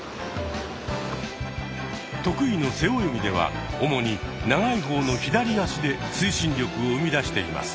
得意の背泳ぎでは主に長い方の左足で推進力を生み出しています。